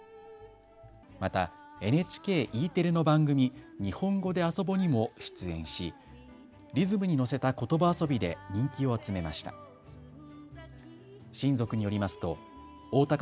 またＮＨＫＥテレの番組、にほんごであそぼにも出演しリズムに乗せたことば遊びで人気を集めました。